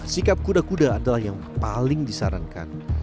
sikap kuda kuda adalah yang paling disarankan